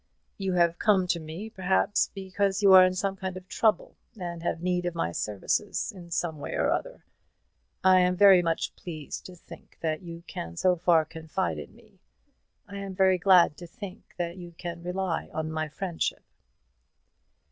You have come to me, perhaps, because you are in some kind of trouble, and have need of my services in some way or other. I am very much pleased to think that you can so far confide in me; I am very glad to think that you can rely on my friendship."